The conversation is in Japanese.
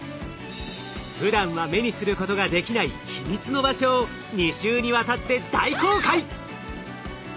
ふだんは目にすることができない秘密の場所を２週にわたって大公開！